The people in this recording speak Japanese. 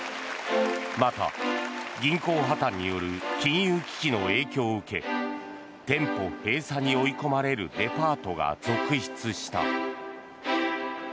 また、銀行破たんによる金融危機の影響を受け店舗閉鎖に追い込まれるデパートが続出した。